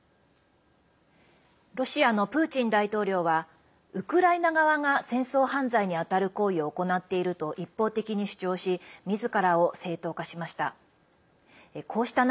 ロシアのプーチン大統領はウクライナ側が戦争犯罪に当たる行為を行っていると一方的に主張しみずからを正当化しました。